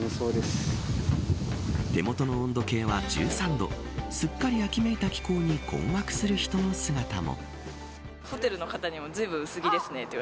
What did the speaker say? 手元の温度計は１３度すっかり秋めいた気候に困惑する人の姿も。